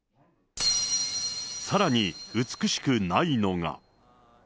さらに、美しくないのが。